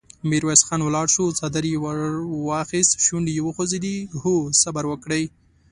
ميرويس خان ولاړ شو، څادر يې ور واخيست، شونډې يې وخوځېدې: هو! صبر وکړئ!